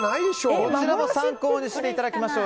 こちらも参考にしていただきましょう。